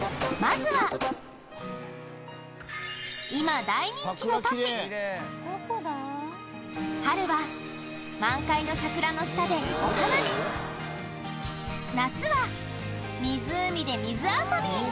今大人気の都市春は満開の桜の下でお花見夏は湖で水遊び